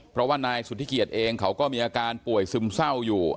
เพราะว่านายสุธิเกียจเองเขาก็มีอาการป่วยซึมเศร้าอยู่